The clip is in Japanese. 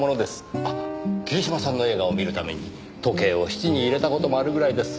あっ桐島さんの映画を見るために時計を質に入れた事もあるぐらいです。